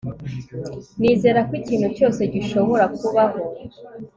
Nizera ko ikintu cyose gishobora kubaho